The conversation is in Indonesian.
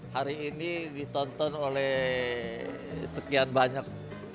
hari ini ditonton oleh sekian banyak